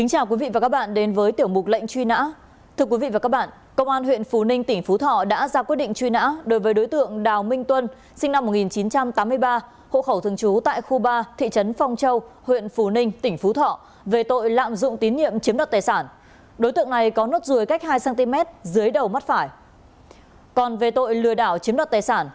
hãy đăng ký kênh để ủng hộ kênh của chúng mình nhé